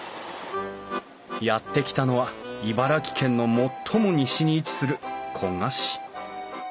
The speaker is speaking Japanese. やって来たのは茨城県の最も西に位置する古河市。